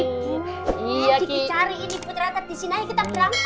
ibu diki cari ini putra tadi disini kita belangkang